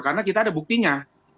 karena kita ada buktinya